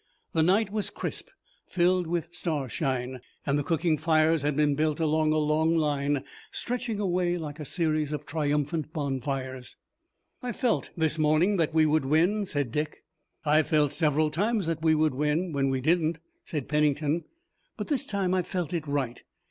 The night was crisp, filled with starshine, and the cooking fires had been built along a long line, stretching away like a series of triumphant bonfires. "I felt this morning that we would win," said Dick. "I've felt several times that we would win, when we didn't," said Pennington. "But this time I felt it right.